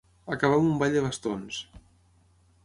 Acabar amb un ball de bastons.